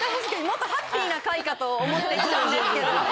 もっとハッピーな回かと思って来たんですけどね。